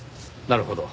なるほど。